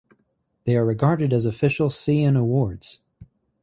They are regarded as official Seiun Awards.